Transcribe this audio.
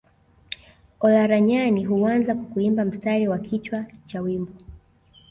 Olaranyani huanza kwa kuimba mstari wa kichwa cha wimbo